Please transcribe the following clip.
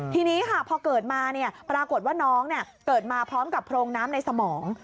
ทีนี้ค่ะพอเกิดมาปรากฏว่าน้องเกิดมาพร้อมกับโพรงน้ำในสมอง